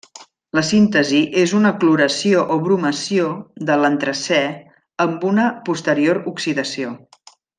La síntesi és una cloració o bromació de l'antracè amb una posterior oxidació.